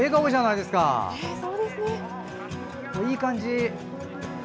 いい感じ。